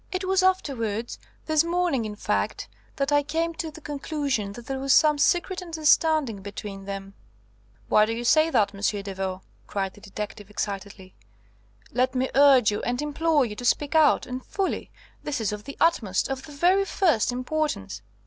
It was afterwards; this morning, in fact, that I came to the conclusion that there was some secret understanding between them." "Why do you say that, M. Devaux?" cried the detective, excitedly. "Let me urge you and implore you to speak out, and fully. This is of the utmost, of the very first, importance."